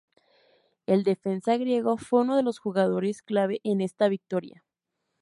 El defensa griego fue uno de los jugadores clave en esta victoria.